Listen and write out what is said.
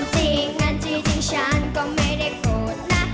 จริงงานจริงฉันก็ไม่ได้โกรธนะ